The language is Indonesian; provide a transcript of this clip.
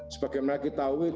sebagai yang kita tahu